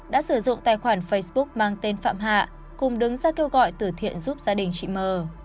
đã sử dụng tài khoản facebook mang tên phạm hạ cùng đứng ra kêu gọi tử thiện giúp gia đình chị m